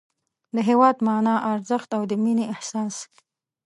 د هېواد مانا، ارزښت او د مینې احساس